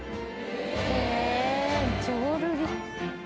へぇ浄瑠璃。